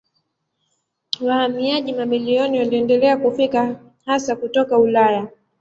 Wahamiaji mamilioni waliendelea kufika hasa kutoka Ulaya.